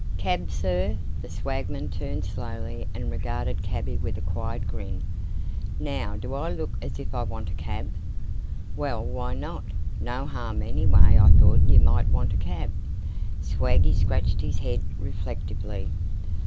"Cab, Sir!" The swagman turned slowly and regarded cabby with a quiet grin. "Now, do I look as if I want a cab?" "Well, why not? No harm, anyway I thought you might want a cab." Swaggy scratched his head, reflectively.